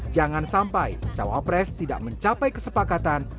jangan sampai cawa pres tidak mencapai kesepakatan